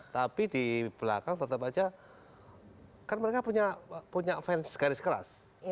tapi di belakang tetap saja kan mereka punya fans garis keras